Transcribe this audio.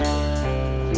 tepat lo ya